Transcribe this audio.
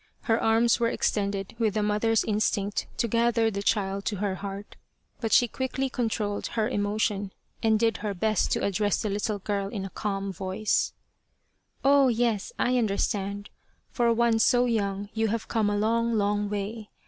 20 The Quest of the Sword arms were extended with the mother's instinct to gather the child to her heart, but she quickly con trolled her emotion and did her best to address the little girl in a calm voice :" Oh, yes, I understand. For one so young you have come a long, long way.